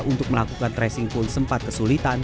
untuk melakukan tracing pun sempat kesulitan